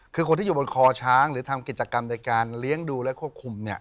คือคนที่อยู่บนคอช้างหรือทำกิจกรรมในการเลี้ยงดูและควบคุม